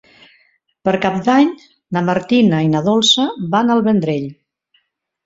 Per Cap d'Any na Martina i na Dolça van al Vendrell.